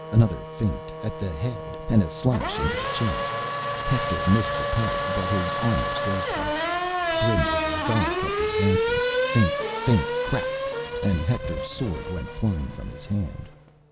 Another feint, at the head, and a slash into the chest; Hector missed the parry but his armor saved him. Grimly, Odal kept advancing. Feint, feint, crack! and Hector's sword went flying from his hand.